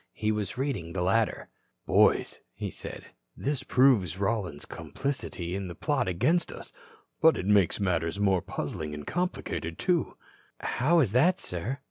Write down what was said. He was reading the latter. "Boys," said he, "this proves Rollins's complicity in a plot against us. But it makes matters more puzzling and complicated, too." "How is that, sir?"